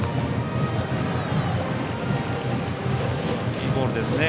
いいボールですね。